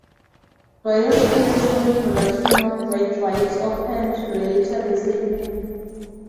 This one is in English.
Biosphere’s own production of wet wipes opened later the same year.